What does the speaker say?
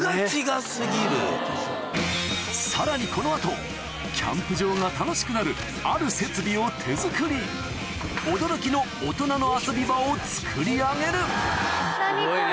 さらにこの後キャンプ場が楽しくなるある設備を手作り驚きの大人の遊び場を作り上げる何これ。